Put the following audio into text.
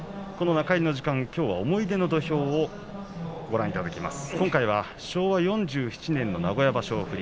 中入りの時間きょうは「思い出の土俵」をご覧いただきます。